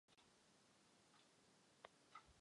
V závodě zvítězil s náskokem Francouz Martin Fourcade.